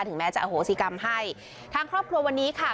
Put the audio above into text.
แม้จะอโหสิกรรมให้ทางครอบครัววันนี้ค่ะ